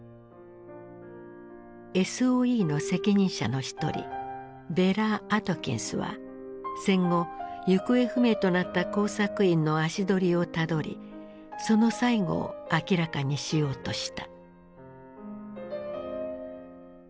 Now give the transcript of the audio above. ＳＯＥの責任者の一人ヴェラ・アトキンスは戦後行方不明となった工作員の足取りをたどりその最期を明らかにしようとした。